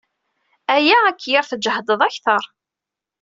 Aya ad k-yerr tǧehdeḍ akter.